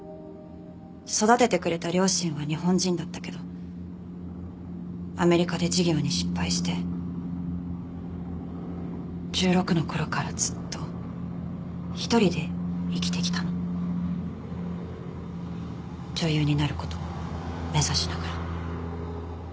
育ててくれた両親は日本人だったけどアメリカで事業に失敗して１６の頃からずっと一人で生きてきたの女優になる事を目指しながら。